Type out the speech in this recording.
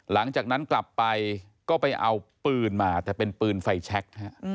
หลังจากนั้นกลับไปก็ไปเอาปืนมาแต่เป็นปืนไฟแชค